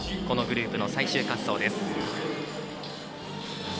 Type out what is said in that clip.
このグループの最終滑走です。